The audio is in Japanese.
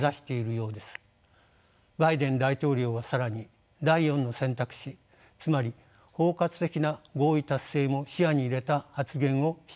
バイデン大統領は更に第４の選択肢つまり包括的な合意達成も視野に入れた発言をしています。